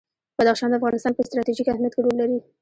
بدخشان د افغانستان په ستراتیژیک اهمیت کې رول لري.